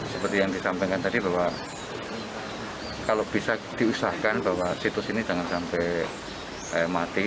seperti yang disampaikan tadi bahwa kalau bisa diusahakan bahwa situs ini jangan sampai mati